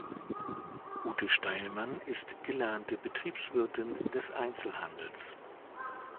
Ute Steilmann ist gelernte Betriebswirtin des Einzelhandels.